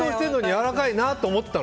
やわらかいなと思って。